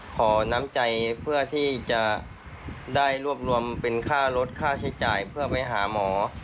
ขอน้ำใจเพื่อที่จะได้รวบรวมเป็นค่ารถค่าใช้จ่ายเพื่อไปหาหมอ